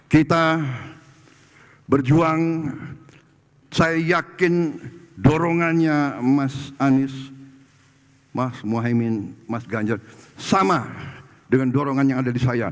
kita berjuang saya yakin dorongannya mas anies mas muhaymin mas ganjar sama dengan dorongan yang ada di saya